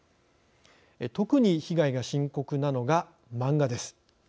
特に被害が深刻なのが漫画です。